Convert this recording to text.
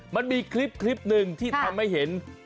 มันมีคลิปหนึ่งที่ทำให้เห็น